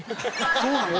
そうなの？